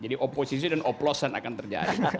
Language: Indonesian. jadi oposisi dan oplosan akan terjadi